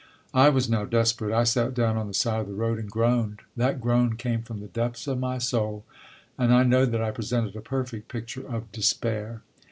I was now desperate. I sat down on the side of the road and groaned; that groan came from the depths of my soul, and I know that I presented a perfect picture of despair.